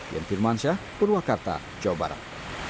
dian firmansyah purwakarta jawa barat